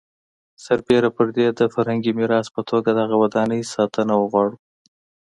سربېره پر دې د فرهنګي میراث په توګه دغه ودانۍ ساتنه وغواړو.